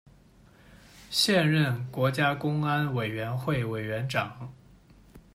现任国家公安委员会委员长。